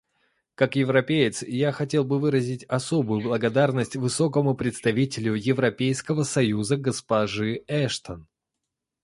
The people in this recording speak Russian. Как европеец я хотел бы выразить особую благодарность Высокому представителю Европейского союза госпоже Эштон.